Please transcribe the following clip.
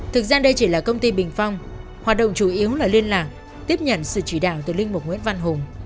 thực ra đây chỉ là công ty bình phong hoạt động chủ yếu là liên lạc tiếp nhận sự chỉ đạo từ linh mục nguyễn văn hùng